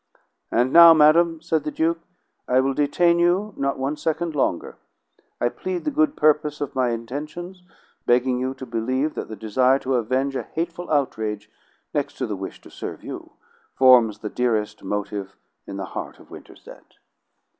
"And now, madam," said the Duke, "I will detain you not one second longer. I plead the good purpose of my intentions, begging you to believe that the desire to avenge a hateful outrage, next to the wish to serve you, forms the dearest motive in the heart of Winterset."